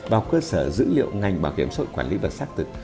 vào cơ sở dữ liệu ngành bảo hiểm xã hội quản lý và xác thực